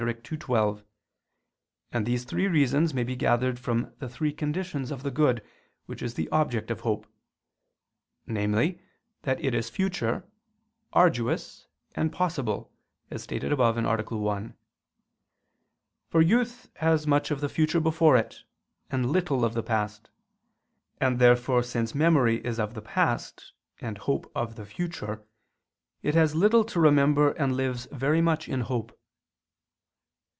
_ ii, 12: and these three reasons may be gathered from the three conditions of the good which is the object of hope namely, that it is future, arduous and possible, as stated above (A. 1). For youth has much of the future before it, and little of the past: and therefore since memory is of the past, and hope of the future, it has little to remember and lives very much in hope.